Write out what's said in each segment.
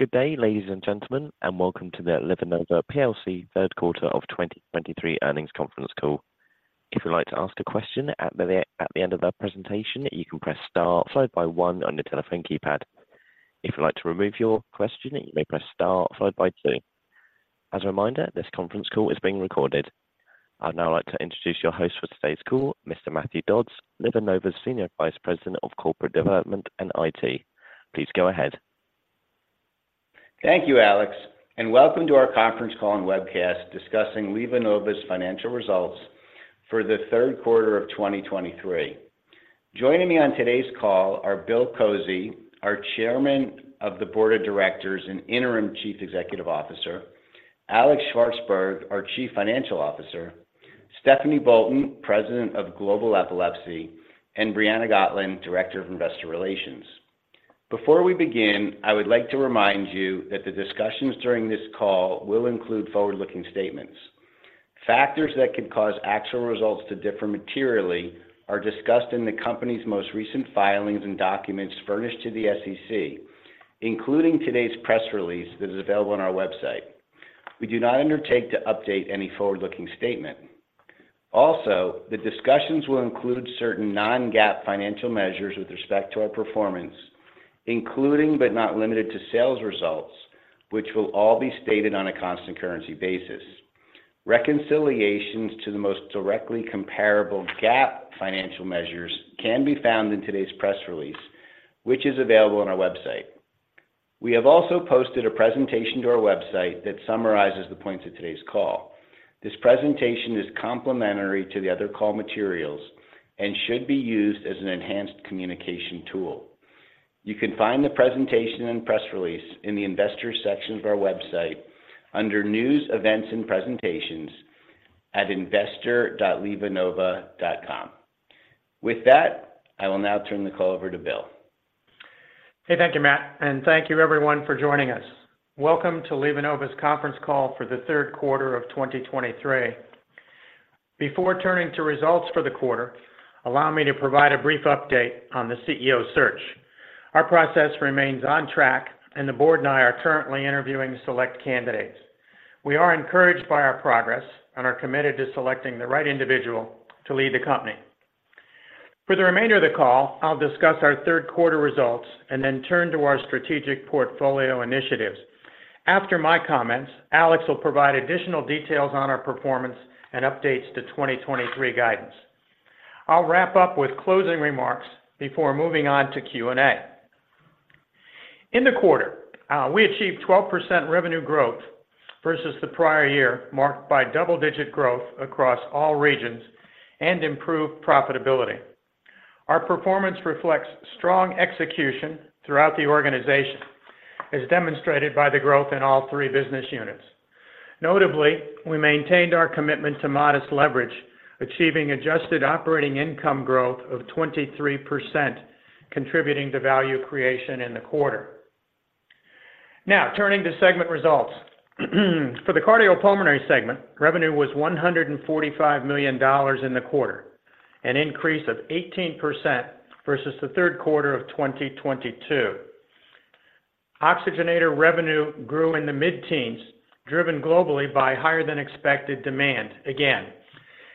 Good day, ladies and gentlemen, and welcome to the LivaNova PLC third quarter of 2023 earnings conference call. If you'd like to ask a question at the end of the presentation, you can press star followed by one on your telephone keypad. If you'd like to remove your question, you may press star followed by two. As a reminder, this conference call is being recorded. I'd now like to introduce your host for today's call, Mr. Matthew Dodds, LivaNova's Senior Vice President of Corporate Development and IT. Please go ahead. Thank you, Alex, and welcome to our conference call and webcast discussing LivaNova's financial results for the third quarter of 2023. Joining me on today's call are Bill Kozy, our Chairman of the Board of Directors and Interim Chief Executive Officer; Alex Shvartsburg, our Chief Financial Officer; Stephanie Bolton, President of Global Epilepsy; and Briana Gotlin, Director of Investor Relations. Before we begin, I would like to remind you that the discussions during this call will include forward-looking statements. Factors that could cause actual results to differ materially are discussed in the company's most recent filings and documents furnished to the SEC, including today's press release that is available on our website. We do not undertake to update any forward-looking statement. Also, the discussions will include certain non-GAAP financial measures with respect to our performance, including but not limited to sales results, which will all be stated on a constant currency basis. Reconciliations to the most directly comparable GAAP financial measures can be found in today's press release, which is available on our website. We have also posted a presentation to our website that summarizes the points of today's call. This presentation is complementary to the other call materials and should be used as an enhanced communication tool. You can find the presentation and press release in the Investors section of our website under News, Events, and Presentations at investor.livanova.com. With that, I will now turn the call over to Bill. Hey, thank you, Matt, and thank you everyone for joining us. Welcome to LivaNova's conference call for the third quarter of 2023. Before turning to results for the quarter, allow me to provide a brief update on the CEO search. Our process remains on track, and the board and I are currently interviewing select candidates. We are encouraged by our progress and are committed to selecting the right individual to lead the company. For the remainder of the call, I'll discuss our third quarter results and then turn to our strategic portfolio initiatives. After my comments, Alex will provide additional details on our performance and updates to 2023 guidance. I'll wrap up with closing remarks before moving on to Q&A. In the quarter, we achieved 12% revenue growth versus the prior year, marked by double-digit growth across all regions and improved profitability. Our performance reflects strong execution throughout the organization, as demonstrated by the growth in all three business units. Notably, we maintained our commitment to modest leverage, achieving adjusted operating income growth of 23%, contributing to value creation in the quarter. Now, turning to segment results. For the cardiopulmonary segment, revenue was $145 million in the quarter, an increase of 18% versus the third quarter of 2022. Oxygenator revenue grew in the mid-teens, driven globally by higher than expected demand again,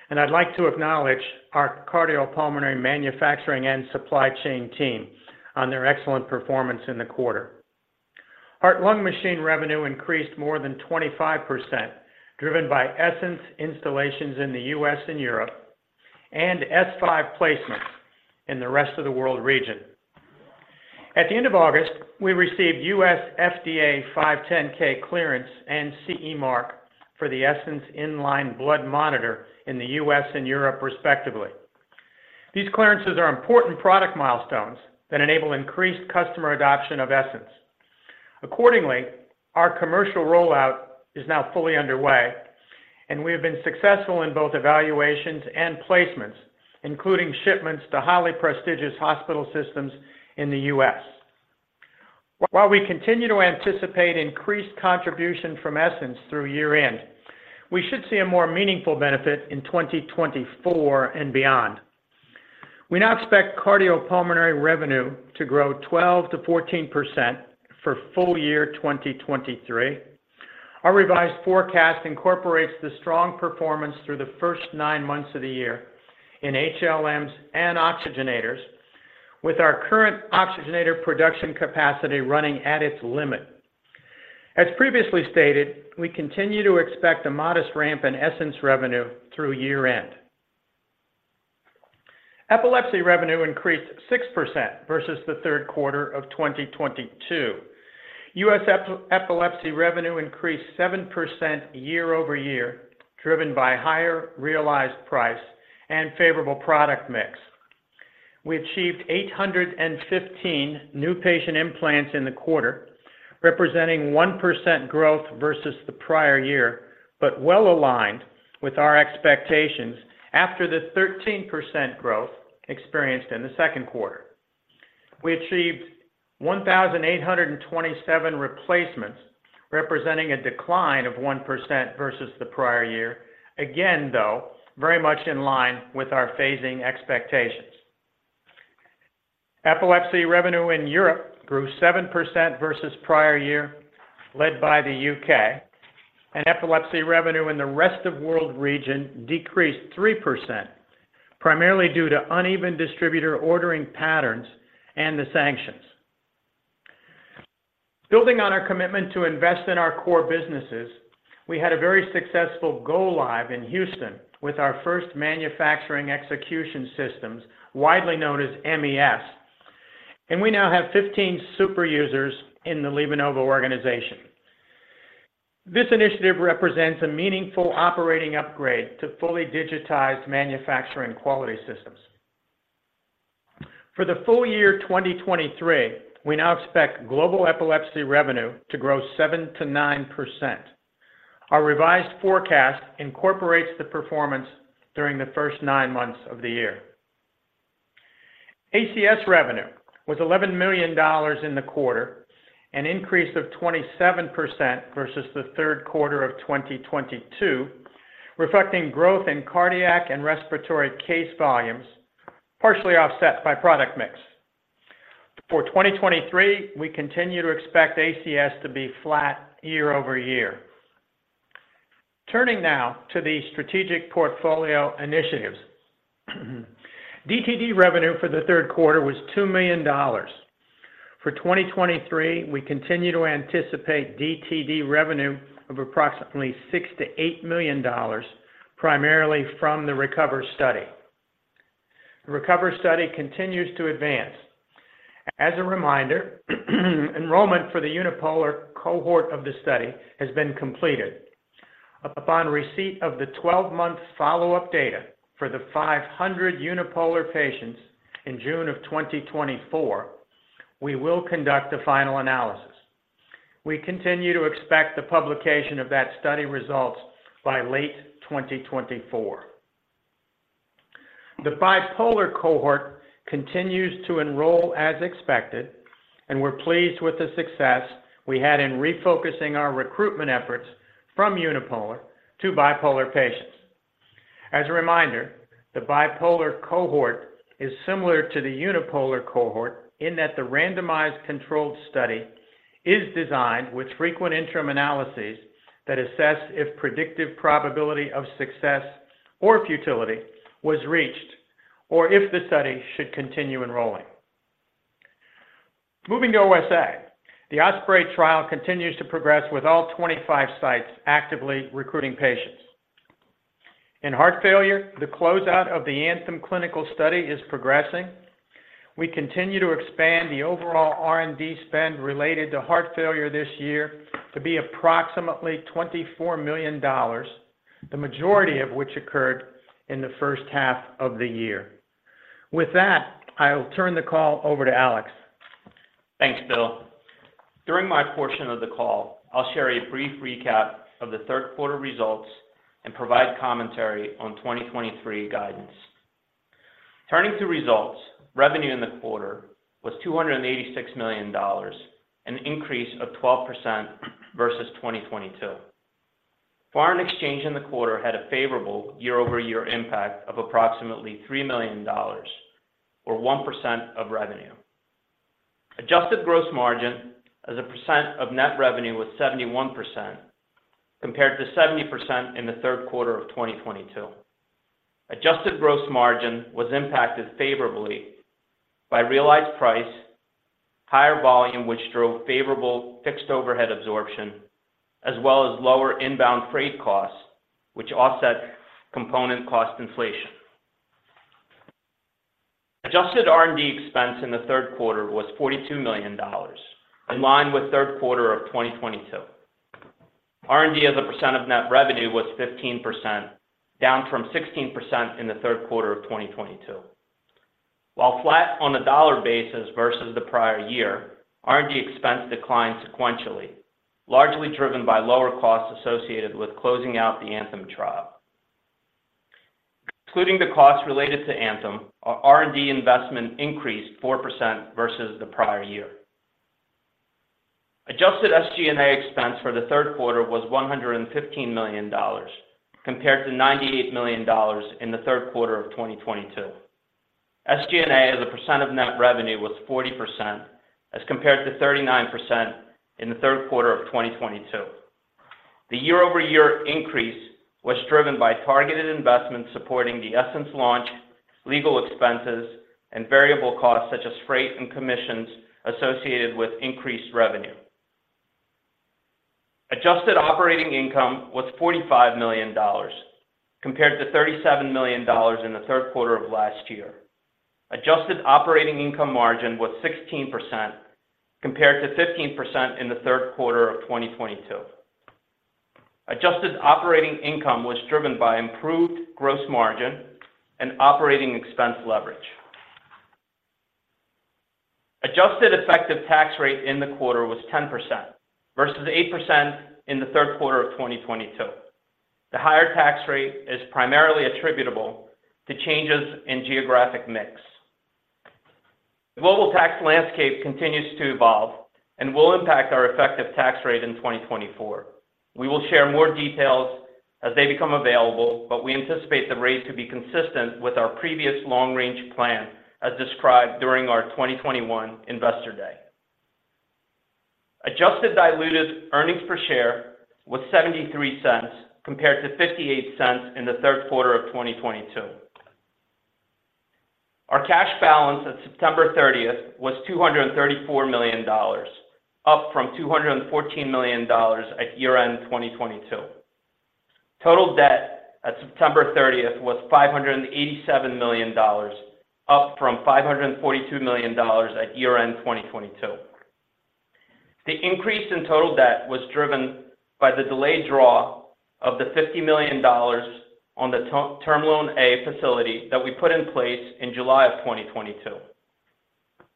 and I'd like to acknowledge our cardiopulmonary manufacturing and supply chain team on their excellent performance in the quarter. Heart-lung machine revenue increased more than 25%, driven by Essenz installations in the U.S. and Europe, and S5 placements in the Rest of World region. At the end of August, we received U.S. FDA 510(k) clearance and CE mark for the Essenz In-Line Blood Monitor in the U.S. and Europe, respectively. These clearances are important product milestones that enable increased customer adoption of Essenz. Accordingly, our commercial rollout is now fully underway, and we have been successful in both evaluations and placements, including shipments to highly prestigious hospital systems in the U.S. While we continue to anticipate increased contribution from Essenz through year end, we should see a more meaningful benefit in 2024 and beyond. We now expect cardiopulmonary revenue to grow 12%-14% for full year 2023. Our revised forecast incorporates the strong performance through the first nine months of the year in HLMs and oxygenators, with our current oxygenator production capacity running at its limit. As previously stated, we continue to expect a modest ramp in Essenz revenue through year end. Epilepsy revenue increased 6% versus the third quarter of 2022. U.S. epilepsy revenue increased 7% year-over-year, driven by higher realized price and favorable product mix. We achieved 815 new patient implants in the quarter, representing 1% growth versus the prior year, but well aligned with our expectations after the 13% growth experienced in the second quarter. We achieved 1,827 replacements, representing a decline of 1% versus the prior year. Again, though, very much in line with our phasing expectations. Epilepsy revenue in Europe grew 7% versus prior year, led by the U.K. Epilepsy revenue in the Rest of World region decreased 3%, primarily due to uneven distributor ordering patterns and the sanctions. Building on our commitment to invest in our core businesses, we had a very successful go live in Houston with our first manufacturing execution systems, widely known as MES, and we now have 15 super users in the LivaNova organization. This initiative represents a meaningful operating upgrade to fully digitized manufacturing quality systems. For the full year 2023, we now expect global epilepsy revenue to grow 7%-9%. Our revised forecast incorporates the performance during the first nine months of the year. ACS revenue was $11 million in the quarter, an increase of 27% versus the third quarter of 2022, reflecting growth in cardiac and respiratory case volumes, partially offset by product mix. For 2023, we continue to expect ACS to be flat year-over-year. Turning now to the strategic portfolio initiatives. DTD revenue for the third quarter was $2 million. For 2023, we continue to anticipate DTD revenue of approximately $6 million-$8 million, primarily from the RECOVER study. The RECOVER study continues to advance. As a reminder, enrollment for the unipolar cohort of the study has been completed. Upon receipt of the 12-month follow-up data for the 500 unipolar patients in June of 2024, we will conduct a final analysis. We continue to expect the publication of that study results by late 2024. The bipolar cohort continues to enroll as expected, and we're pleased with the success we had in refocusing our recruitment efforts from unipolar to bipolar patients. As a reminder, the bipolar cohort is similar to the unipolar cohort in that the randomized controlled study is designed with frequent interim analyses that assess if predictive probability of success or futility was reached, or if the study should continue enrolling. Moving to OSA, the OSPREY trial continues to progress with all 25 sites actively recruiting patients. In heart failure, the closeout of the ANTHEM clinical study is progressing. We continue to expand the overall R&D spend related to heart failure this year to be approximately $24 million, the majority of which occurred in the first half of the year. With that, I will turn the call over to Alex. Thanks, Bill. During my portion of the call, I'll share a brief recap of the third quarter results and provide commentary on 2023 guidance. Turning to results, revenue in the quarter was $286 million, an increase of 12% versus 2022. Foreign exchange in the quarter had a favorable year-over-year impact of approximately $3 million or 1% of revenue. Adjusted gross margin as a percent of net revenue was 71%, compared to 70% in the third quarter of 2022. Adjusted gross margin was impacted favorably by realized price, higher volume, which drove favorable fixed overhead absorption, as well as lower inbound freight costs, which offset component cost inflation. Adjusted R&D expense in the third quarter was $42 million, in line with third quarter of 2022. R&D as a percent of net revenue was 15%, down from 16% in the third quarter of 2022. While flat on a dollar basis versus the prior year, R&D expense declined sequentially, largely driven by lower costs associated with closing out the ANTHEM trial. Including the costs related to ANTHEM, our R&D investment increased 4% versus the prior year. Adjusted SG&A expense for the third quarter was $115 million, compared to $98 million in the third quarter of 2022. SG&A, as a percent of net revenue, was 40% as compared to 39% in the third quarter of 2022. The year-over-year increase was driven by targeted investments supporting the Essenz launch, legal expenses, and variable costs such as freight and commissions associated with increased revenue. Adjusted operating income was $45 million, compared to $37 million in the third quarter of last year. Adjusted operating income margin was 16%, compared to 15% in the third quarter of 2022. Adjusted operating income was driven by improved gross margin and operating expense leverage. Adjusted effective tax rate in the quarter was 10%, versus 8% in the third quarter of 2022. The higher tax rate is primarily attributable to changes in geographic mix. The global tax landscape continues to evolve and will impact our effective tax rate in 2024. We will share more details as they become available, but we anticipate the raise to be consistent with our previous long-range plan, as described during our 2021 Investor Day. Adjusted diluted earnings per share was $0.73, compared to $0.58 in the third quarter of 2022. Our cash balance at September 30th was $234 million, up from $214 million at year-end 2022. Total debt at September 30th was $587 million, up from $542 million at year-end 2022. The increase in total debt was driven by the delayed draw of the $50 million on the Term Loan A facility that we put in place in July 2022.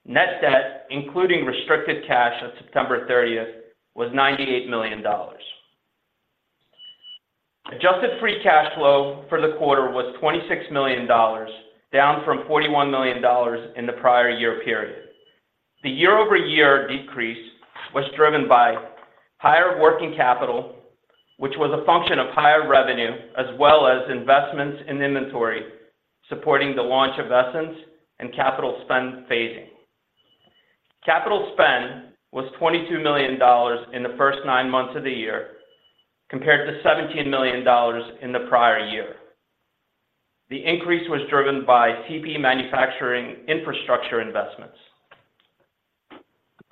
Net debt, including restricted cash at September 30th, was $98 million. Adjusted free cash flow for the quarter was $26 million, down from $41 million in the prior year period. The year-over-year decrease was driven by higher working capital, which was a function of higher revenue, as well as investments in inventory, supporting the launch of Essenz and capital spend phasing. Capital spend was $22 million in the first nine months of the year, compared to $17 million in the prior year. The increase was driven by CP manufacturing infrastructure investments.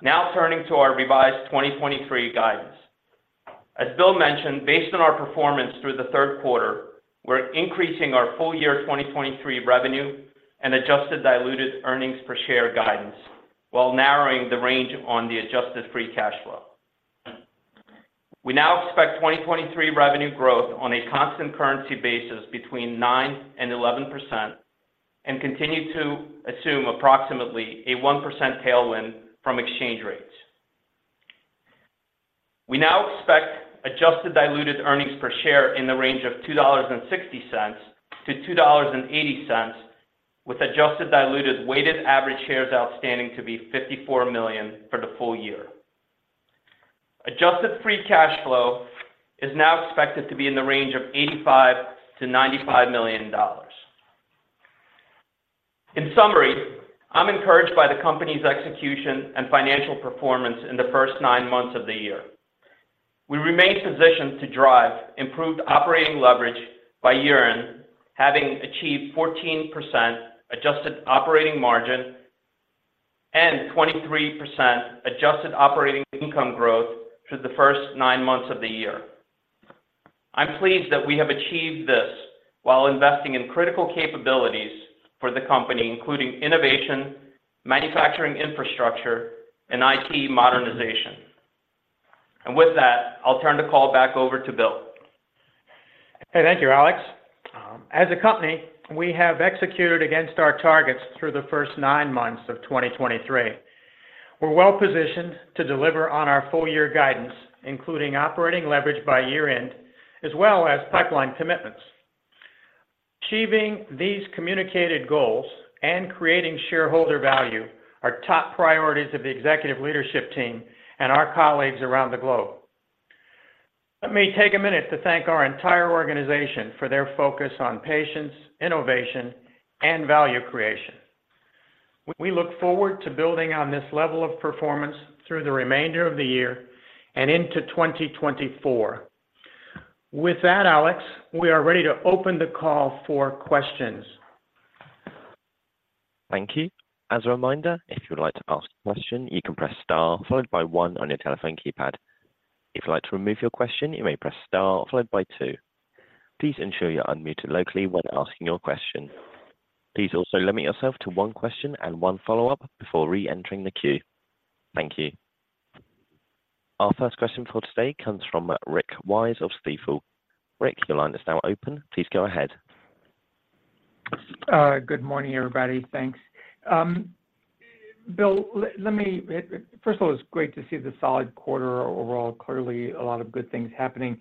Now, turning to our revised 2023 guidance. As Bill mentioned, based on our performance through the third quarter, we're increasing our full year 2023 revenue and adjusted diluted earnings per share guidance, while narrowing the range on the adjusted free cash flow. We now expect 2023 revenue growth on a constant currency basis between 9% and 11%, and continue to assume approximately a 1% tailwind from exchange rates. We now expect adjusted diluted earnings per share in the range of $2.60-$2.80, with adjusted diluted weighted average shares outstanding to be 54 million for the full year. Adjusted free cash flow is now expected to be in the range of $85 million-$95 million. In summary, I'm encouraged by the company's execution and financial performance in the first nine months of the year. We remain positioned to drive improved operating leverage by year-end, having achieved 14% adjusted operating margin and 23% adjusted operating income growth through the first nine months of the year. I'm pleased that we have achieved this while investing in critical capabilities for the company, including innovation, manufacturing infrastructure, and IT modernization. And with that, I'll turn the call back over to Bill. Hey, thank you, Alex. As a company, we have executed against our targets through the first nine months of 2023. We're well positioned to deliver on our full year guidance, including operating leverage by year-end, as well as pipeline commitments. Achieving these communicated goals and creating shareholder value are top priorities of the executive leadership team and our colleagues around the globe. Let me take a minute to thank our entire organization for their focus on patients, innovation, and value creation. We look forward to building on this level of performance through the remainder of the year and into 2024. With that, Alex, we are ready to open the call for questions. Thank you. As a reminder, if you'd like to ask a question, you can press star, followed by one on your telephone keypad. If you'd like to remove your question, you may press star followed by two. Please ensure you're unmuted locally when asking your question. Please also limit yourself to one question and one follow-up before reentering the queue. Thank you. Our first question for today comes from Rick Wise of Stifel. Rick, your line is now open. Please go ahead. Good morning, everybody. Thanks. Bill, let me, first of all, it's great to see the solid quarter overall. Clearly, a lot of good things happening,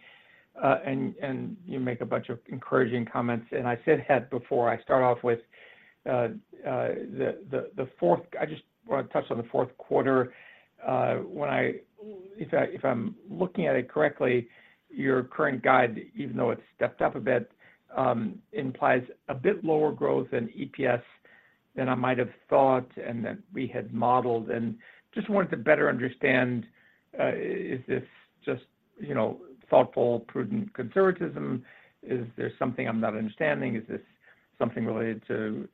and you make a bunch of encouraging comments. And I said ahead, before I start off with, I just wanna touch on the fourth quarter. When if I, if I'm looking at it correctly, your current guide, even though it's stepped up a bit, implies a bit lower growth in EPS than I might have thought and that we had modeled. And just wanted to better understand, is this just, you know, thoughtful, prudent conservatism? Is there something I'm not understanding? Is this something related to,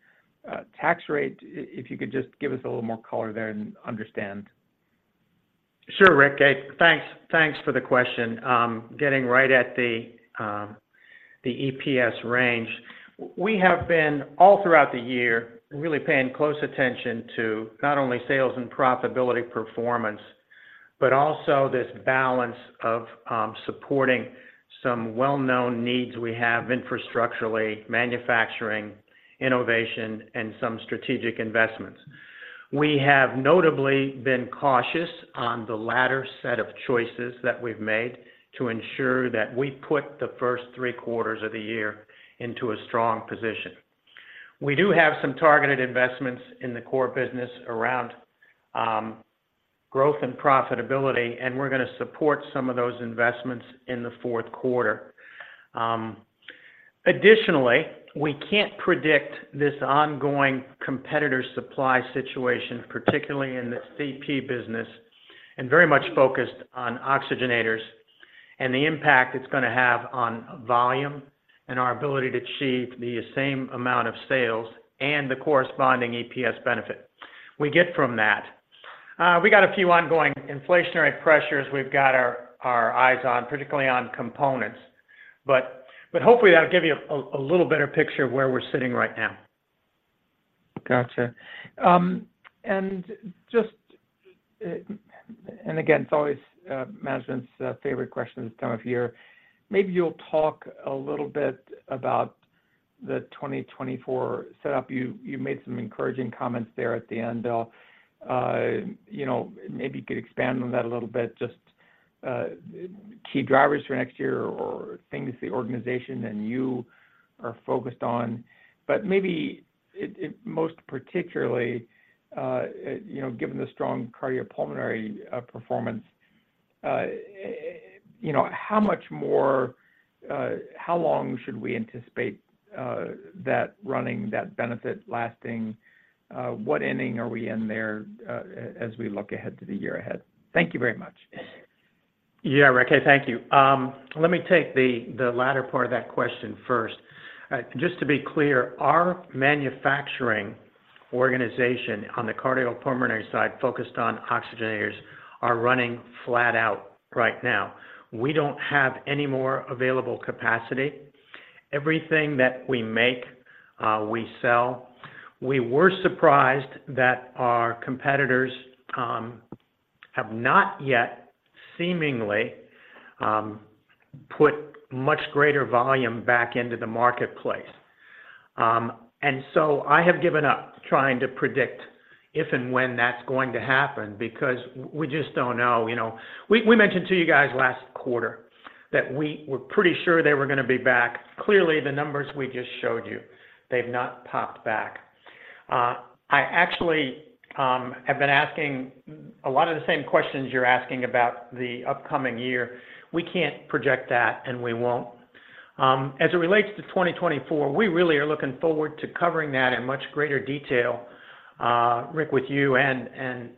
tax rate? If you could just give us a little more color there and understand. Sure, Rick. Thanks, thanks for the question. Getting right at the, the EPS range. We have been, all throughout the year, really paying close attention to not only sales and profitability performance, but also this balance of supporting some well-known needs we have infrastructurally, manufacturing, innovation, and some strategic investments. We have notably been cautious on the latter set of choices that we've made to ensure that we put the first three quarters of the year into a strong position. We do have some targeted investments in the core business around growth and profitability, and we're gonna support some of those investments in the fourth quarter. Additionally, we can't predict this ongoing competitor supply situation, particularly in the CP business, and very much focused on oxygenators and the impact it's gonna have on volume and our ability to achieve the same amount of sales and the corresponding EPS benefit we get from that. We got a few ongoing inflationary pressures we've got our eyes on, particularly on components. But hopefully, that'll give you a little better picture of where we're sitting right now. Gotcha. And just, and again, it's always, management's favorite question this time of year. Maybe you'll talk a little bit about the 2024 setup. You, you made some encouraging comments there at the end, you know, maybe you could expand on that a little bit, just, key drivers for next year or things the organization and you are focused on. But maybe it, it most particularly, you know, given the strong cardiopulmonary, performance, you know, how much more, how long should we anticipate, that running, that benefit lasting? What inning are we in there, as we look ahead to the year ahead? Thank you very much. Yeah, Rick, thank you. Let me take the latter part of that question first. Just to be clear, our manufacturing organization on the cardiopulmonary side, focused on oxygenators, are running flat out right now. We don't have any more available capacity. Everything that we make, we sell. We were surprised that our competitors have not yet seemingly put much greater volume back into the marketplace. And so I have given up trying to predict if and when that's going to happen, because we just don't know, you know? We mentioned to you guys last quarter that we were pretty sure they were gonna be back. Clearly, the numbers we just showed you, they've not popped back. I actually have been asking a lot of the same questions you're asking about the upcoming year. We can't project that, and we won't. As it relates to 2024, we really are looking forward to covering that in much greater detail, Rick, with you and, and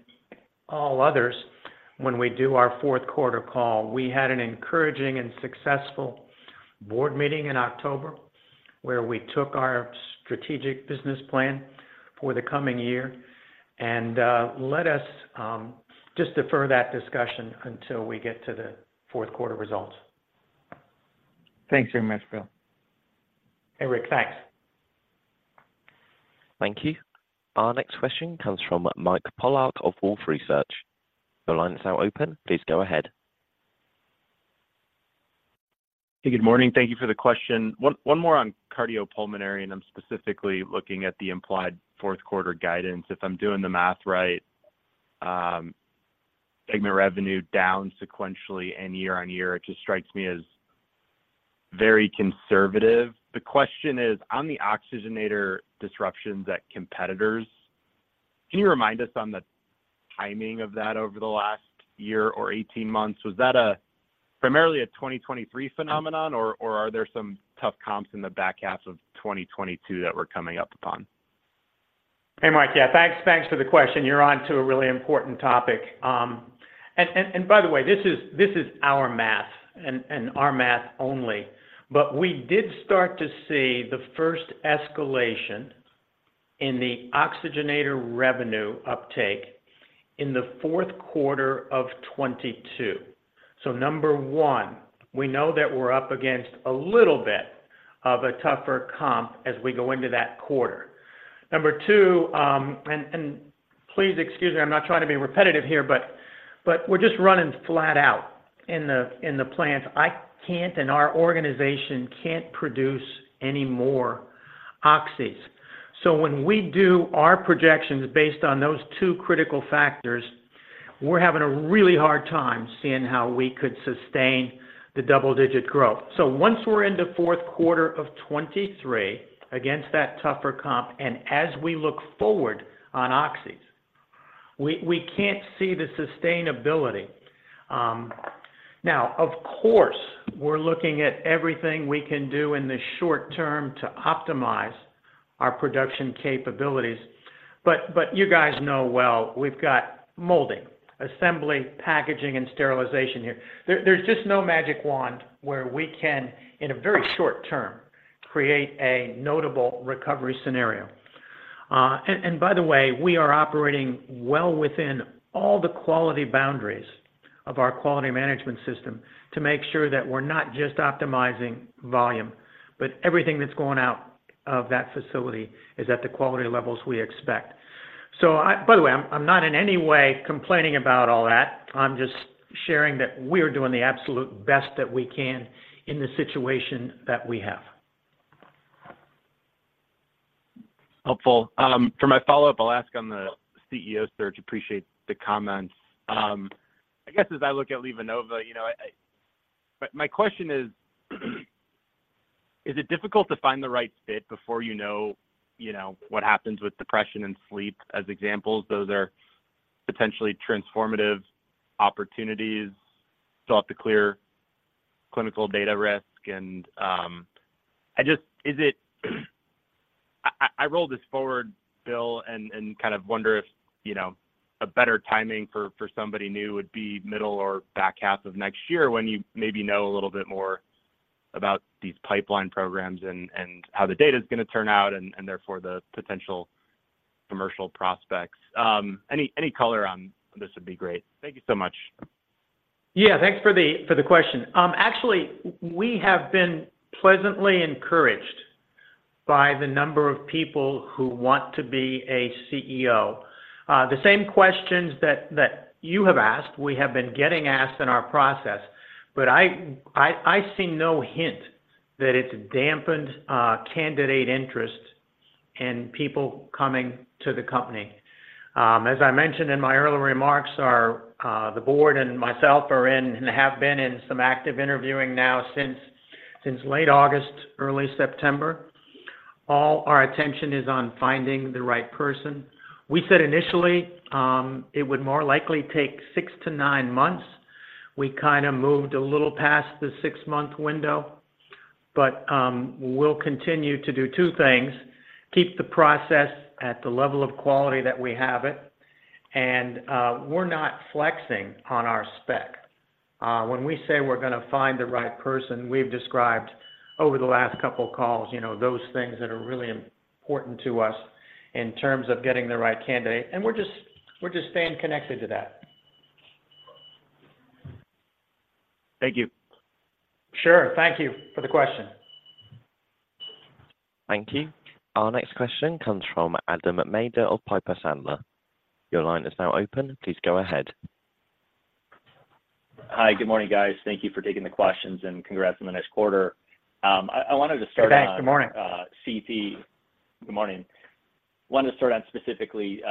all others, when we do our fourth quarter call. We had an encouraging and successful board meeting in October, where we took our strategic business plan for the coming year. Let us just defer that discussion until we get to the fourth quarter results. Thanks very much, Bill. Hey, Rick. Thanks. Thank you. Our next question comes from Mike Polark of Wolfe Research. Your line is now open, please go ahead. Hey, good morning. Thank you for the question. One, one more on cardiopulmonary, and I'm specifically looking at the implied fourth quarter guidance. If I'm doing the math right, segment revenue down sequentially and year on year, it just strikes me as very conservative. The question is, on the oxygenator disruptions at competitors, can you remind us on the timing of that over the last year or 18 months? Was that primarily a 2023 phenomenon, or, or are there some tough comps in the back half of 2022 that we're coming up upon? Hey, Mike. Yeah, thanks. Thanks for the question. You're on to a really important topic. And by the way, this is our math and our math only. But we did start to see the first escalation in the oxygenator revenue uptake in the fourth quarter of 2022. So number one, we know that we're up against a little bit of a tougher comp as we go into that quarter. Number two, and please excuse me, I'm not trying to be repetitive here, but we're just running flat out in the plants. I can't, and our organization can't produce any more oxys. So when we do our projections based on those two critical factors, we're having a really hard time seeing how we could sustain the double-digit growth. So once we're in the fourth quarter of 2023, against that tougher comp, and as we look forward on oxys, we can't see the sustainability. Now, of course, we're looking at everything we can do in the short term to optimize our production capabilities, but you guys know well, we've got molding, assembly, packaging, and sterilization here. There's just no magic wand where we can, in a very short term, create a notable recovery scenario. And by the way, we are operating well within all the quality boundaries of our quality management system to make sure that we're not just optimizing volume, but everything that's going out of that facility is at the quality levels we expect. So by the way, I'm not in any way complaining about all that. I'm just sharing that we're doing the absolute best that we can in the situation that we have. Helpful. For my follow-up, I'll ask on the CEO search. Appreciate the comments. I guess as I look at LivaNova, you know, but my question is, is it difficult to find the right fit before you know, you know, what happens with depression and sleep as examples? Those are potentially transformative opportunities. Still have to clear clinical data risk, and I just-- is it-- I roll this forward, Bill, and kind of wonder if, you know, a better timing for somebody new would be middle or back half of next year, when you maybe know a little bit more about these pipeline programs and how the data is gonna turn out, and therefore, the potential commercial prospects. Any color on this would be great. Thank you so much. Yeah, thanks for the question. Actually, we have been pleasantly encouraged by the number of people who want to be a CEO. The same questions that you have asked, we have been getting asked in our process, but I see no hint that it's dampened candidate interest in people coming to the company. As I mentioned in my earlier remarks, the board and myself are in, and have been in some active interviewing now since late August, early September. All our attention is on finding the right person. We said initially, it would more likely take six-nine months. We kind of moved a little past the six-month window, but we'll continue to do two things: Keep the process at the level of quality that we have it, and we're not flexing on our spec. When we say we're gonna find the right person, we've described over the last couple of calls, you know, those things that are really important to us in terms of getting the right candidate, and we're just, we're just staying connected to that. Thank you. Sure. Thank you for the question. Thank you. Our next question comes from Adam Maeder of Piper Sandler. Your line is now open. Please go ahead. Hi, good morning, guys. Thank you for taking the questions, and congrats on the next quarter. I wanted to start on- Thanks. Good morning. Good morning. Wanted to start on specifically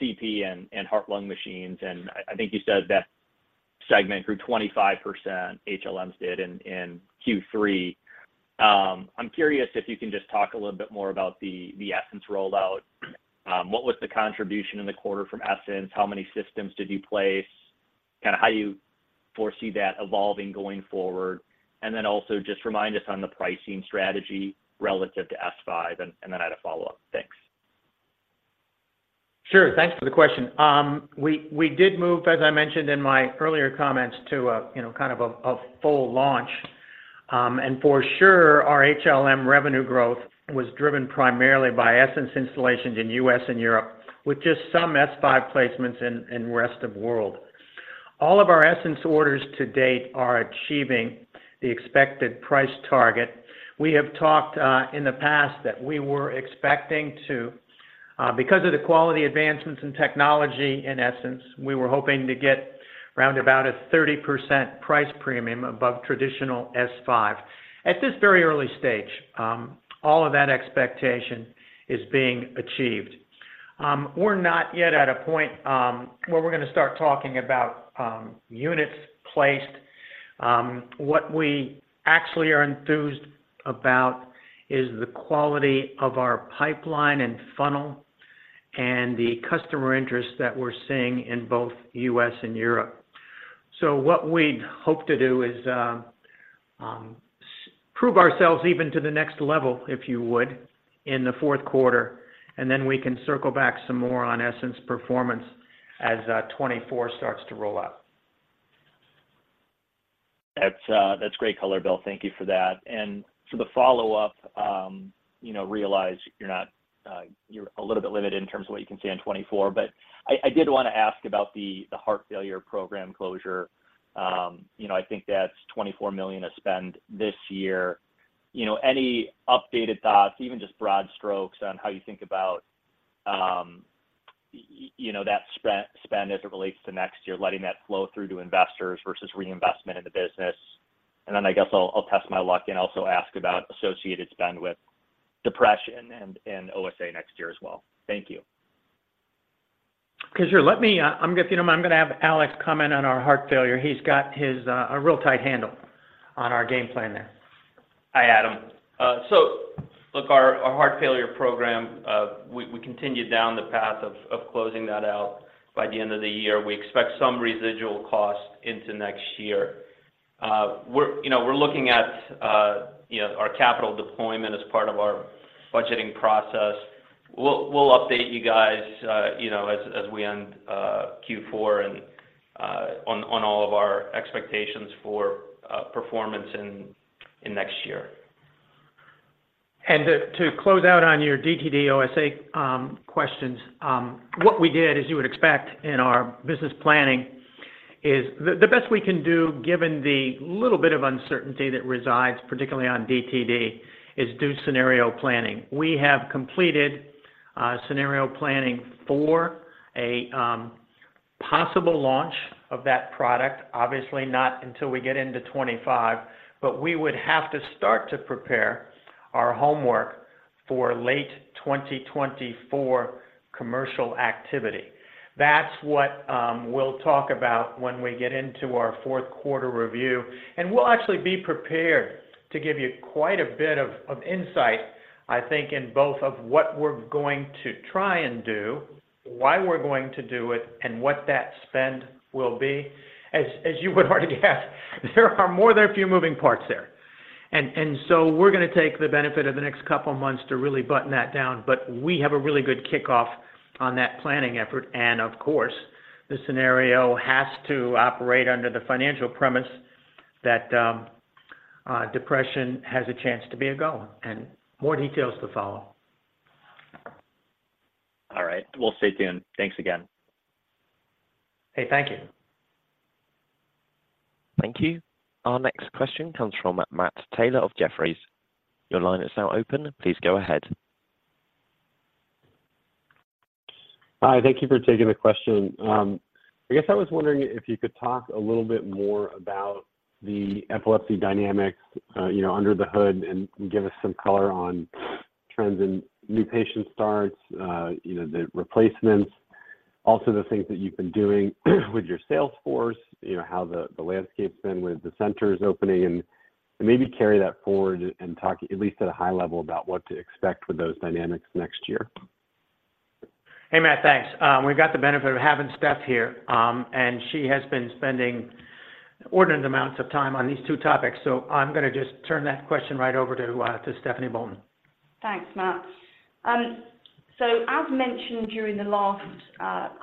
CP and heart-lung machines, and I think you said that segment grew 25%, HLM did in Q3. I'm curious if you can just talk a little bit more about the Essenz rollout. What was the contribution in the quarter from Essenz? How many systems did you place? Kinda how you foresee that evolving going forward. And then also just remind us on the pricing strategy relative to S5, and then I had a follow-up. Thanks. Sure. Thanks for the question. We did move, as I mentioned in my earlier comments, to a, you know, kind of a full launch. And for sure, our HLM revenue growth was driven primarily by Essenz installations in U.S. and Europe, with just some S5 placements in Rest of World. All of our Essenz orders to date are achieving the expected price target. We have talked in the past that we were expecting to, because of the quality advancements in technology in Essenz, we were hoping to get round about a 30% price premium above traditional S5. At this very early stage, all of that expectation is being achieved. We're not yet at a point where we're gonna start talking about units placed. What we actually are enthused about is the quality of our pipeline and funnel, and the customer interest that we're seeing in both U.S. and Europe. So what we'd hope to do is prove ourselves even to the next level, if you would, in the fourth quarter, and then we can circle back some more on Essenz performance as 2024 starts to roll out. That's great color, Bill. Thank you for that. For the follow-up, you know, realize you're not a little bit limited in terms of what you can say on 2024, but I did wanna ask about the heart failure program closure. You know, I think that's $24 million of spend this year. You know, any updated thoughts, even just broad strokes on how you think about that spend as it relates to next year, letting that flow through to investors versus reinvestment in the business? And then I guess I'll test my luck and also ask about associated spend with depression and OSA next year as well. Thank you. Okay, sure. Let me, I'm gonna, you know, I'm gonna have Alex comment on our heart failure. He's got his, a real tight handle on our game plan there. Hi, Adam. So look, our heart failure program. We continued down the path of closing that out by the end of the year. We expect some residual costs into next year. You know, we're looking at our capital deployment as part of our budgeting process. We'll update you guys, you know, as we end Q4 and on all of our expectations for performance in next year. And to close out on your DTD, OSA questions, what we did, as you would expect in our business planning, is the best we can do, given the little bit of uncertainty that resides, particularly on DTD, is do scenario planning. We have completed scenario planning for a possible launch of that product, obviously not until we get into 25, but we would have to start to prepare our homework for late 2024 commercial activity. That's what we'll talk about when we get into our fourth quarter review, and we'll actually be prepared to give you quite a bit of insight, I think, in both of what we're going to try and do, why we're going to do it, and what that spend will be. As you would already guess, there are more than a few moving parts there. So we're gonna take the benefit of the next couple of months to really button that down, but we have a really good kickoff on that planning effort. Of course, the scenario has to operate under the financial premise that depression has a chance to be a goer, and more details to follow. All right. We'll stay tuned. Thanks again. Hey, thank you. Thank you. Our next question comes from Matt Taylor of Jefferies. Your line is now open. Please go ahead. Hi, thank you for taking the question. I guess I was wondering if you could talk a little bit more about the epilepsy dynamics, you know, under the hood, and give us some color on trends in new patient starts, you know, the replacements. Also, the things that you've been doing with your sales force, you know, how the landscape's been with the centers opening, and maybe carry that forward and talk at least at a high level about what to expect with those dynamics next year. Hey, Matt. Thanks. We've got the benefit of having Steph here, and she has been spending inordinate amounts of time on these two topics, so I'm gonna just turn that question right over to, to Stephanie Bolton. Thanks, Matt. As mentioned during the last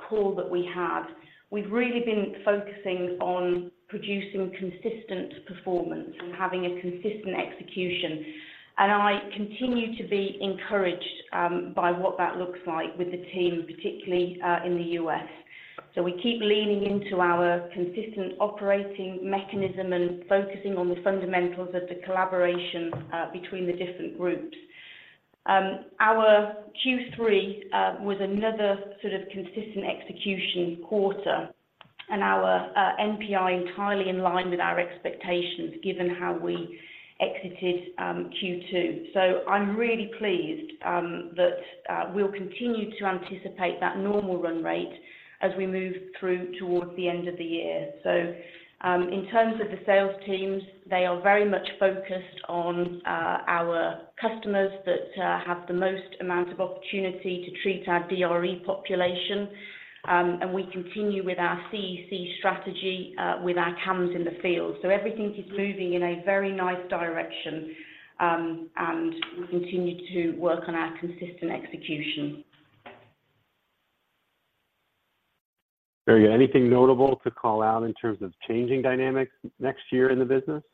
call that we had, we've really been focusing on producing consistent performance and having a consistent execution. I continue to be encouraged by what that looks like with the team, particularly in the U.S. We keep leaning into our consistent operating mechanism and focusing on the fundamentals of the collaboration between the different groups. Our Q3 was another sort of consistent execution quarter, and our NPI, entirely in line with our expectations, given how we exited Q2. I'm really pleased that we'll continue to anticipate that normal run rate as we move through towards the end of the year. In terms of the sales teams, they are very much focused on our customers that have the most amount of opportunity to treat our DRE population. We continue with our CEC strategy, with our CAMs in the field. Everything is moving in a very nice direction, and we continue to work on our consistent execution. Very good. Anything notable to call out in terms of changing dynamics next year in the business?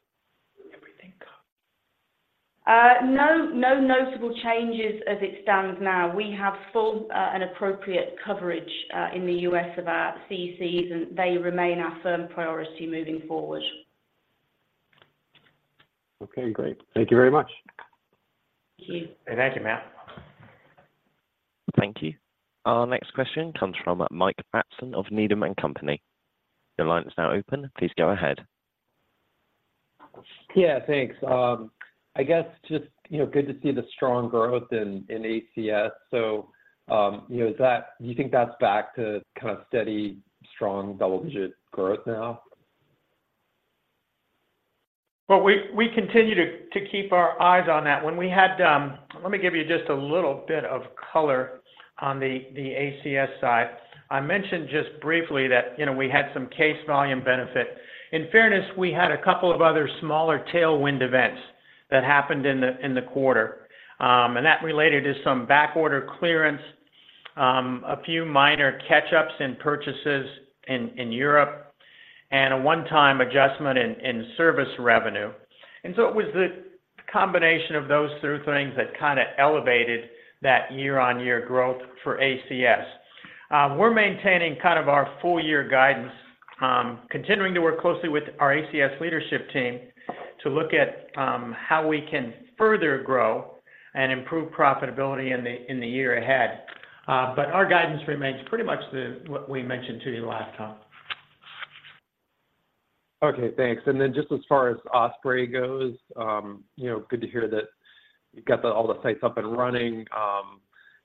No, no notable changes as it stands now. We have full and appropriate coverage in the U.S. of our CECs, and they remain our firm priority moving forward. Okay, great. Thank you very much. Thank you. Thank you, Matt. Thank you. Our next question comes from Mike Matson of Needham & Company. Your line is now open. Please go ahead. Yeah, thanks. I guess just, you know, good to see the strong growth in ACS. So, you know, is that-- do you think that's back to kind of steady, strong, double-digit growth now? Well, we continue to keep our eyes on that. When we had, let me give you just a little bit of color on the ACS side. I mentioned just briefly that, you know, we had some case volume benefit. In fairness, we had a couple of other smaller tailwind events that happened in the quarter, and that related to some backorder clearance, a few minor catch-ups in purchases in Europe, and a one-time adjustment in service revenue. And so it was the combination of those three things that kind of elevated that year-on-year growth for ACS. We're maintaining kind of our full-year guidance, continuing to work closely with our ACS leadership team to look at how we can further grow and improve profitability in the year ahead. But our guidance remains pretty much the what we mentioned to you last time. Okay, thanks. Then just as far as OSPREY goes, you know, good to hear that you've got the, all the sites up and running.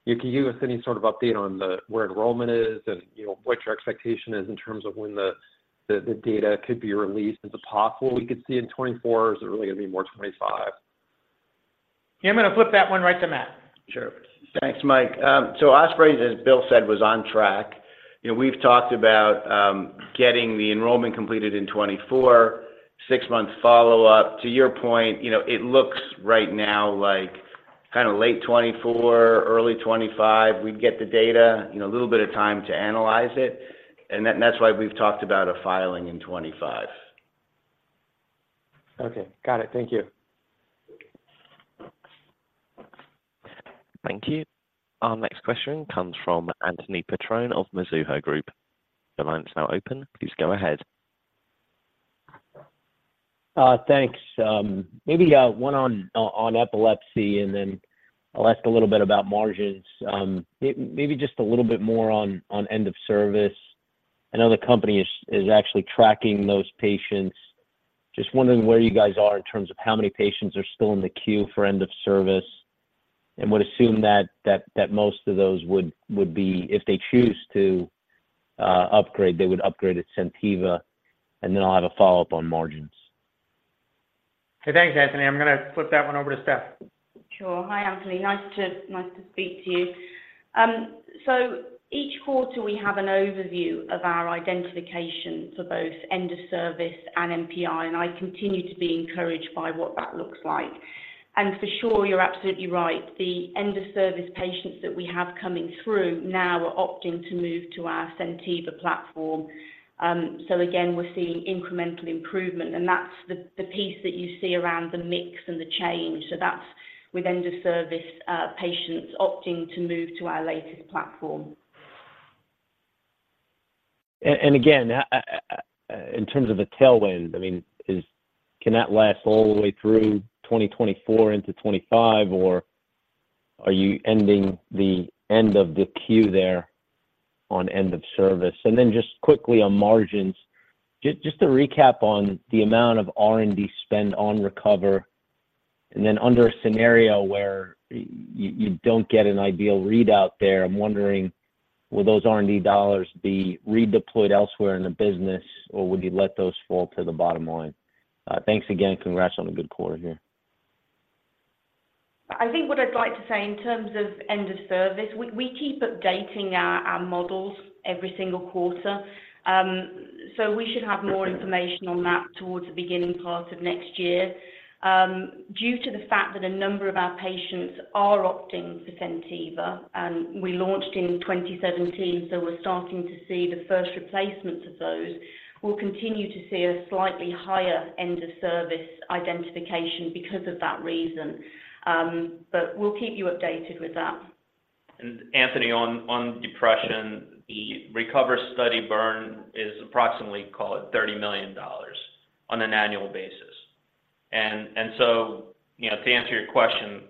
You, can you give us any sort of update on the, where enrollment is and, you know, what your expectation is in terms of when the data could be released? Is it possible we could see in 2024, or is it really gonna be more 2025? Yeah, I'm gonna flip that one right to Matt. Sure. Thanks, Mike. So OSPREY, as Bill said, was on track. You know, we've talked about getting the enrollment completed in 2024, six-month follow-up. To your point, you know, it looks right now like kinda late 2024, early 2025, we'd get the data, you know, a little bit of time to analyze it. And then that's why we've talked about a filing in 2025. Okay. Got it. Thank you. Thank you. Our next question comes from Anthony Petrone of Mizuho Group. Your line is now open. Please go ahead. Thanks. Maybe one on epilepsy, and then I'll ask a little bit about margins. Maybe just a little bit more on end of service. I know the company is actually tracking those patients. Just wondering where you guys are in terms of how many patients are still in the queue for end of service. And would assume that most of those would be, if they choose to upgrade, they would upgrade at SenTiva. And then I'll have a follow-up on margins. Hey, thanks, Anthony. I'm going to flip that one over to Steph. Sure. Hi, Anthony. Nice to speak to you. So each quarter we have an overview of our identification for both end of service and NPI, and I continue to be encouraged by what that looks like. For sure, you're absolutely right. The end of service patients that we have coming through now are opting to move to our SenTiva platform. So again, we're seeing incremental improvement, and that's the piece that you see around the mix and the change. That's with end of service patients opting to move to our latest platform. And again, in terms of the tailwind, I mean, can that last all the way through 2024 into 2025, or are you ending the end of the queue there on End of Service? And then just quickly on margins, just to recap on the amount of R&D spend on RECOVER, and then under a scenario where you don't get an ideal readout there, I'm wondering, will those R&D dollars be redeployed elsewhere in the business, or would you let those fall to the bottom line? Thanks again. Congrats on a good quarter here. I think what I'd like to say in terms of end of service, we keep updating our models every single quarter. So we should have more information on that towards the beginning part of next year. Due to the fact that a number of our patients are opting for SenTiva, and we launched in 2017, so we're starting to see the first replacements of those. We'll continue to see a slightly higher end of service identification because of that reason. But we'll keep you updated with that. Anthony, on depression, the RECOVER study burn is approximately, call it $30 million on an annual basis. And so, you know, to answer your question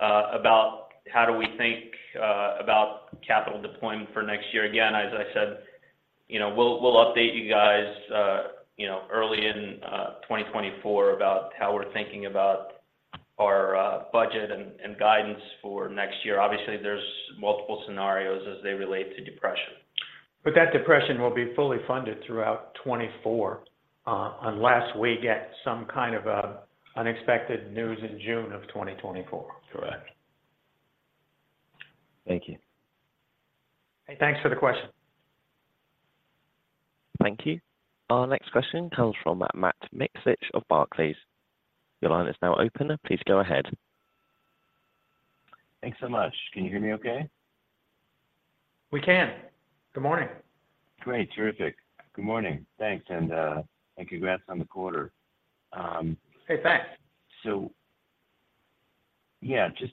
about how we think about capital deployment for next year, again, as I said, you know, we'll update you guys, you know, early in 2024 about how we're thinking about our budget and guidance for next year. Obviously, there's multiple scenarios as they relate to depression. But that depression will be fully funded throughout 2024, unless we get some kind of unexpected news in June of 2024. Correct. Thank you. Hey, thanks for the question. Thank you. Our next question comes from Matt Miksic of Barclays. Your line is now open. Please go ahead. Thanks so much. Can you hear me okay? We can. Good morning. Great. Terrific. Good morning. Thanks, and, and congrats on the quarter. You bet. So, yeah, just,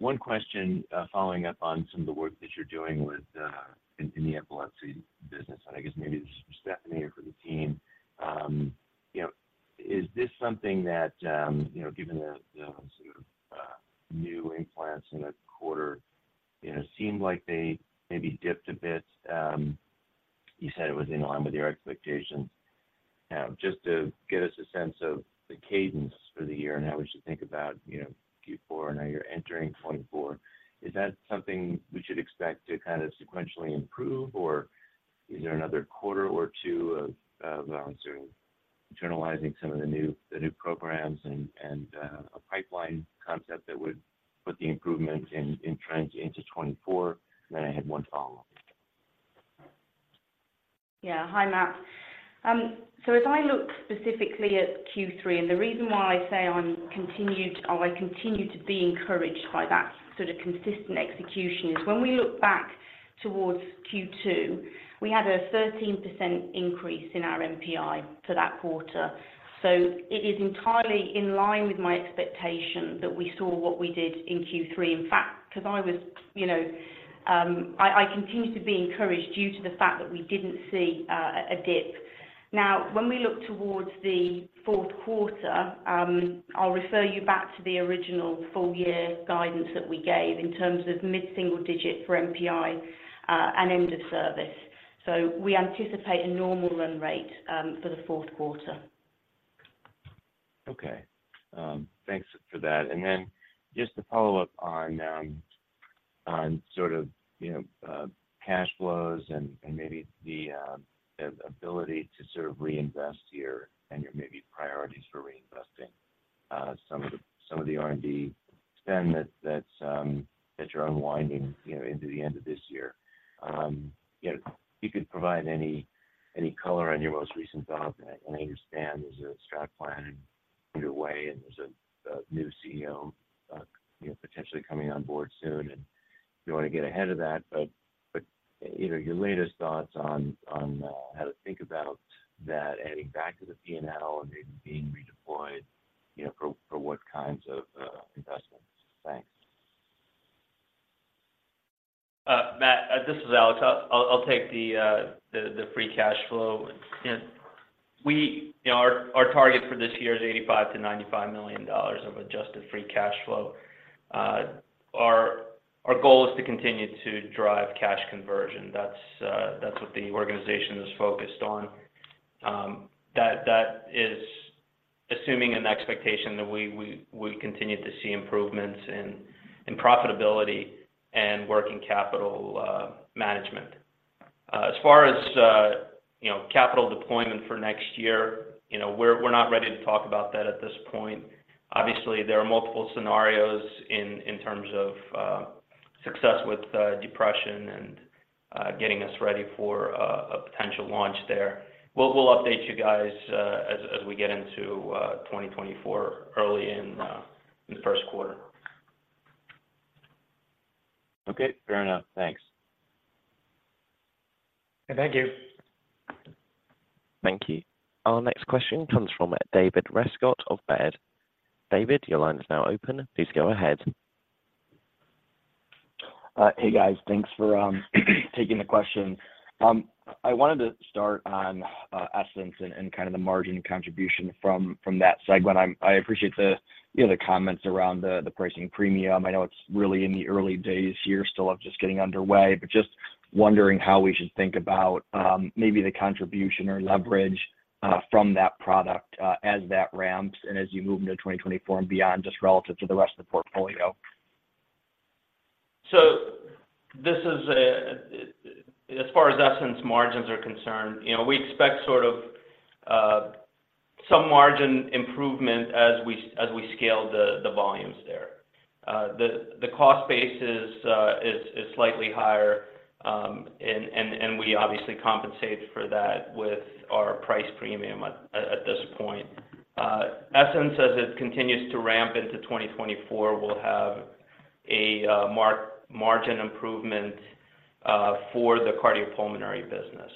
one question, following up on some of the work that you're doing with, in, in the epilepsy business, and I guess maybe this is for Stephanie or for the team. You know, is this something that, you know, given the, sort of, new implants in the quarter, you know, seemed like they maybe dipped a bit, you said it was in line with your expectations. Just to get us a sense of the cadence for the year and how we should think about, you know, Q4, now you're entering 2024. Is that something we should expect to kind of sequentially improve, or is there another quarter or two of, of, I'm sorry, internalizing some of the new, the new programs and, and, a pipeline concept that would put the improvement in, in trends into 2024? I had one follow-up. Yeah. Hi, Matt. So as I look specifically at Q3, and the reason why I say I'm continued, or I continue to be encouraged by that sort of consistent execution, is when we look back towards Q2, we had a 13% increase in our NPI for that quarter. So it is entirely in line with my expectation that we saw what we did in Q3. In fact, because I was, you know, I, I continue to be encouraged due to the fact that we didn't see a dip. Now, when we look towards the fourth quarter, I'll refer you back to the original full year guidance that we gave in terms of mid-single digit for NPI and end of service. So we anticipate a normal run rate for the fourth quarter. Okay. Thanks for that. And then just to follow up on sort of, you know, cash flows and maybe the ability to sort of reinvest your priorities for reinvesting some of the R&D spend that you're unwinding, you know, into the end of this year. You know, if you could provide any color on your most recent thought, and I understand there's a stock plan underway, and there's a new CEO, you know, potentially coming on board soon, and you want to get ahead of that. But you know, your latest thoughts on how to think about that adding back to the P&L and maybe being redeployed, you know, for what kinds of investments? Thanks. Matt, this is Alex. I'll take the free cash flow and then. We, you know, our target for this year is $85 million-$95 million of adjusted free cash flow. Our goal is to continue to drive cash conversion. That's what the organization is focused on. That is assuming an expectation that we continue to see improvements in profitability and working capital management. As far as, you know, capital deployment for next year, you know, we're not ready to talk about that at this point. Obviously, there are multiple scenarios in terms of success with depression and getting us ready for a potential launch there. We'll update you guys as we get into 2024, early in the first quarter. Okay, fair enough. Thanks. Thank you. Thank you. Our next question comes from David Rescott of Baird. David, your line is now open. Please go ahead. Hey, guys. Thanks for taking the question. I wanted to start on Essenz and kind of the margin contribution from that segment. I appreciate the, you know, comments around the pricing premium. I know it's really in the early days here, still of just getting underway, but just wondering how we should think about maybe the contribution or leverage from that product as that ramps and as you move into 2024 and beyond, just relative to the rest of the portfolio. So this is as far as Essenz margins are concerned, you know, we expect sort of some margin improvement as we scale the volumes there. The cost base is slightly higher, and we obviously compensate for that with our price premium at this point. Essenz, as it continues to ramp into 2024, will have a margin improvement for the cardiopulmonary business.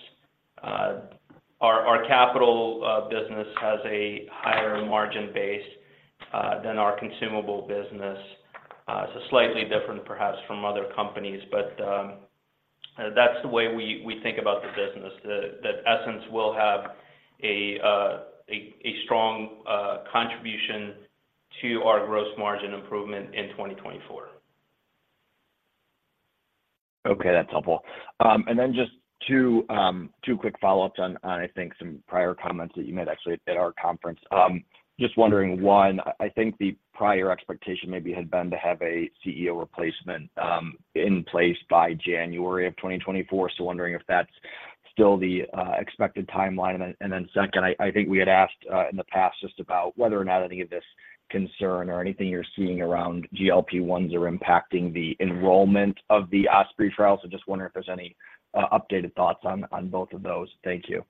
Our capital business has a higher margin base than our consumable business. So slightly different perhaps from other companies, but that's the way we think about the business, that Essenz will have a strong contribution to our gross margin improvement in 2024. Okay, that's helpful. And then just two, two quick follow-ups on, on I think some prior comments that you made actually at our conference. Just wondering, one, I think the prior expectation maybe had been to have a CEO replacement, in place by January of 2024. So wondering if that's still the, expected timeline. And, and then second, I, I think we had asked, in the past just about whether or not any of this concern or anything you're seeing around GLP-1s are impacting the enrollment of the OSPREY trial. So just wondering if there's any, updated thoughts on, on both of those. Thank you.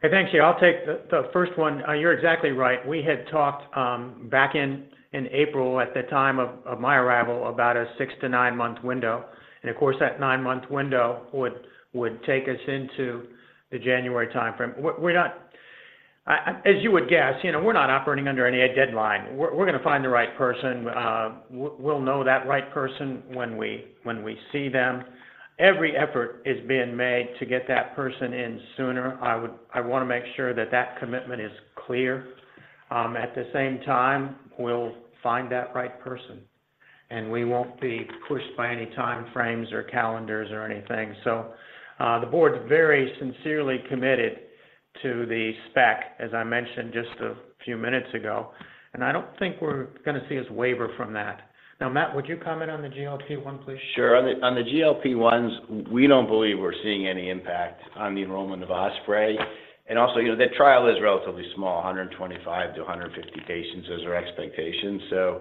Hey, thank you. I'll take the first one. You're exactly right. We had talked back in April, at the time of my arrival, about a six-nine-month window, and of course, that 9-month window would take us into the January timeframe. We're not. I, as you would guess, you know, we're not operating under any deadline. We're gonna find the right person. We'll know that right person when we see them. Every effort is being made to get that person in sooner. I want to make sure that that commitment is clear. At the same time, we'll find that right person, and we won't be pushed by any time frames or calendars or anything. So, the board is very sincerely committed to the spec, as I mentioned just a few minutes ago, and I don't think we're gonna see us waver from that. Now, Matt, would you comment on the GLP-1, please? Sure. On the GLP-1s, we don't believe we're seeing any impact on the enrollment of OSPREY. And also, you know, that trial is relatively small, 125-150 patients. Those are expectations, so,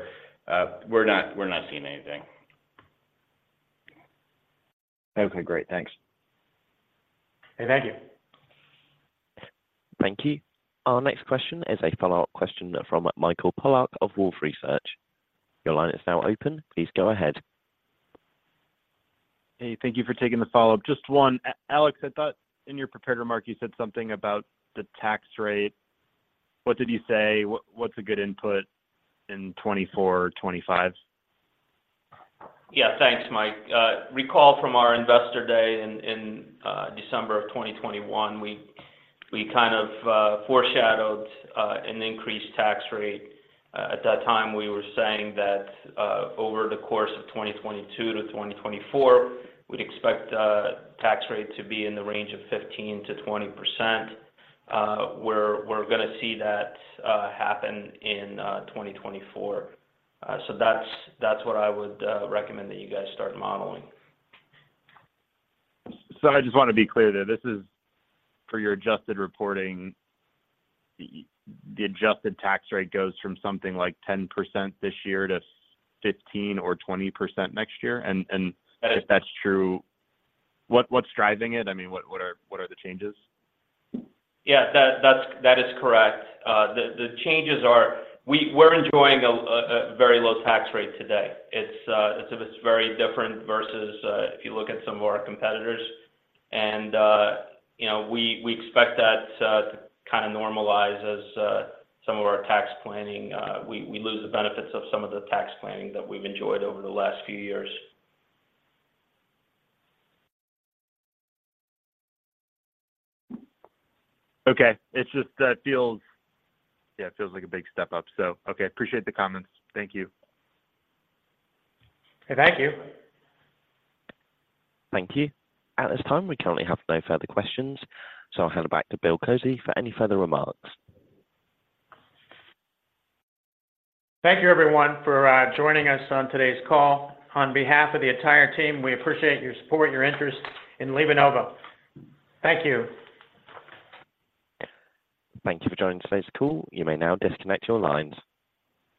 we're not seeing anything. Okay, great. Thanks. Hey, thank you. Thank you. Our next question is a follow-up question from Mike Polark of Wolfe Research. Your line is now open. Please go ahead. Hey, thank you for taking the follow-up. Just one. Alex, I thought in your prepared remark, you said something about the tax rate. What did you say? What, what's a good input in 2024, 2025? Yeah, thanks, Mike. Recall from our Investor Day in December 2021, we kind of foreshadowed an increased tax rate. At that time, we were saying that over the course of 2022-2024, we'd expect a tax rate to be in the range of 15%-20%. We're gonna see that happen in 2024. So that's what I would recommend that you guys start modeling. So I just want to be clear there. This is for your adjusted reporting. The adjusted tax rate goes from something like 10% this year to 15% or 20% next year? And, and- That is- If that's true, what's driving it? I mean, what are the changes? Yeah, that's correct. The changes are we're enjoying a very low tax rate today. It's very different versus if you look at some of our competitors. And you know, we expect that to kind of normalize as some of our tax planning. We lose the benefits of some of the tax planning that we've enjoyed over the last few years. Okay. It's just that feels. Yeah, it feels like a big step up. So okay, appreciate the comments. Thank you. Hey, thank you. Thank you. At this time, we currently have no further questions, so I'll hand it back to Bill Kozy for any further remarks. Thank you, everyone, for joining us on today's call. On behalf of the entire team, we appreciate your support and your interest in LivaNova. Thank you. Thank you for joining today's call. You may now disconnect your lines.